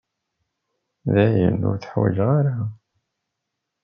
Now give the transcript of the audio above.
Dayen, ur t-ḥwajeɣ ara.